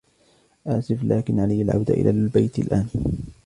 آسف، لكن علي العودة إلى البيت الآن.